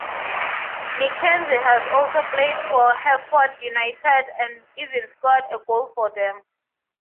Mackenzie has also played for Hereford United and even scored a goal for them.